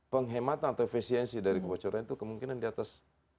penghematan atau efisiensi dari kebocoran itu kemungkinan di atas